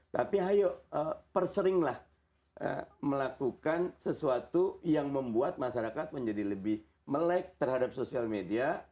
tapi ayo perseringlah melakukan sesuatu yang membuat masyarakat menjadi lebih melek terhadap sosial media